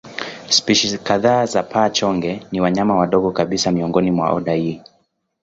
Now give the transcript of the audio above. Spishi kadhaa za paa-chonge ni wanyama wadogo kabisa miongoni mwa oda hii.